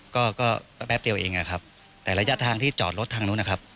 ก็ก็แป๊บเดียวเองนะครับแต่ระยะทางที่จอดรถทางนู้นนะครับ